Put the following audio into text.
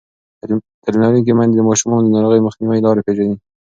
تعلیم لرونکې میندې د ماشومانو د ناروغۍ مخنیوي لارې پېژني.